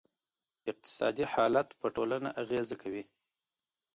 اقتصادي حالت په ټولنه اغېزه کوي.